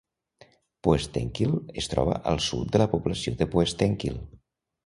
Poestenkill es troba al sud de la població de Poestenkill.